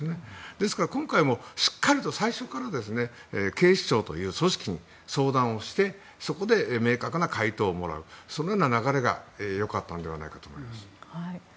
ですから、今回もしっかりと最初から警視庁という組織に相談をしてそこで明確な回答をもらうそのような流れが良かったのではないかと思います。